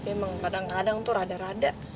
emang kadang kadang tuh rada rada